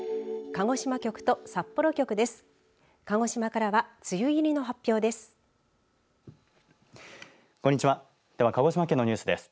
鹿児島局と札幌局です。